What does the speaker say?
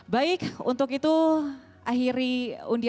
baik untuk itu